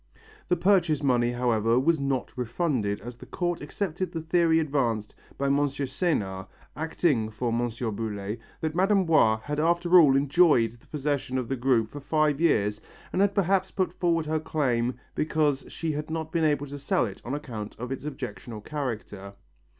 The purchase money, however, was not refunded as the Court accepted the theory advanced by M. Senard, acting for M. Boullay, that Mme. Boiss had after all enjoyed the possession of the group for five years and had perhaps put forward her claim because she had not been able to sell it on account of its objectionable character.